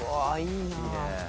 いいねえ。